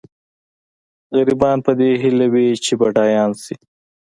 غریبان په دې هیله وي چې بډایان شي.